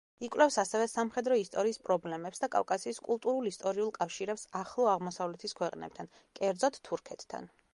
იკვლევს ასევე სამხედრო ისტორიის პრობლემებს და კავკასიის კულტურულ-ისტორიულ კავშირებს ახლო აღმოსავლეთის ქვეყნებთან, კერძოდ, თურქეთთან.